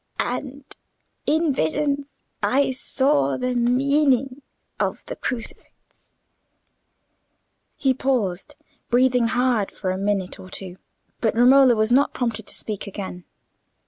And in visions I saw the meaning of the Crucifix." He paused, breathing hard for a minute or two: but Romola was not prompted to speak again.